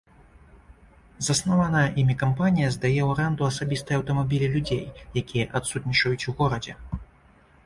Заснаваная імі кампанія здае ў арэнду асабістыя аўтамабілі людзей, якія адсутнічаюць у горадзе.